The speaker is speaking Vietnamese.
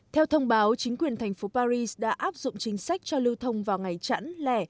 theo thông báo chính quyền thành phố paris đã áp dụng chính sách cho lưu thông vào ngày chẵn lẻ